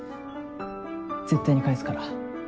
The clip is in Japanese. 絶対に返すから。